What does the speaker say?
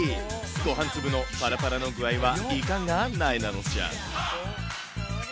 ごはん粒のパラパラの具合はいかが、なえなのちゃん。